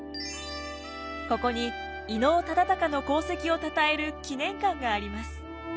ここに伊能忠敬の功績をたたえる記念館があります。